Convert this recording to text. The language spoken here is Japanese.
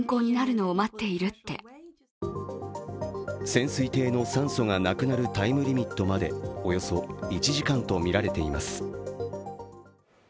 潜水艇の酸素がなくなるタイムリミットまでおよそ１時間とみられています。